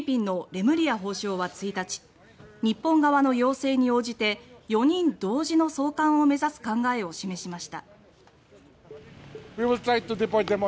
フィリピンのレムリヤ法相は１日日本側の要請に応じて４人同時の送還を目指す考えを示しました。